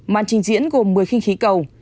màn trình diễn gồm một mươi khinh khí cầu